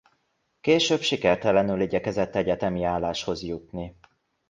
Később sikertelenül igyekezett egyetemi álláshoz jutni.